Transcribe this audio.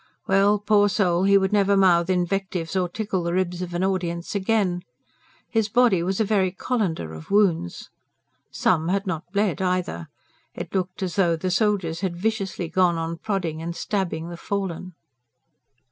Well, poor soul! he would never mouth invectives or tickle the ribs of an audience again. His body was a very colander of wounds. Some had not bled either. It looked as though the soldiers had viciously gone on prodding and stabbing the fallen.